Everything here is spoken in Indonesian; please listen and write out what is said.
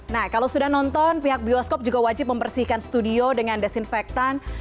nah kalau sudah nonton pihak bioskop juga wajib membersihkan studio dengan desinfektan